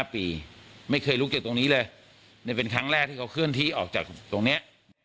๕ปีไม่เคยลุกจากตรงนี้เลยเป็นครั้งแรกที่เขาเคลื่อนที่ออกจากตรงนี้